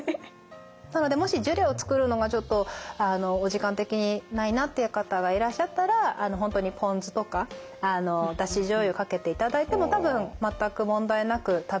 もしジュレを作るのがちょっとお時間的にないなっていう方がいらっしゃったら本当にポン酢とかだしじょうゆかけていただいても多分全く問題なく食べられるんじゃないかなと思います。